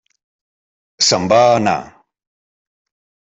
Se'n va anar.